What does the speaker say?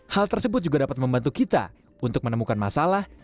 hal tersebut juga dapat membantu kita untuk menemukan masalah